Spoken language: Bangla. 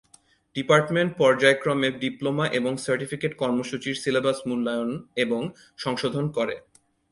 ডিপার্টমেন্ট পর্যায়ক্রমে ডিপ্লোমা এবং সার্টিফিকেট কর্মসূচীর সিলেবাস মূল্যায়ন এবং সংশোধন করে।